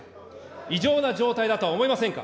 異常な状態だとは思いませんか。